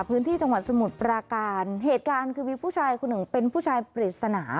พื้นที่จังหวัดสมุทรปราการเหตุการณ์คือมีผู้ชายคนหนึ่งเป็นผู้ชายปริศนา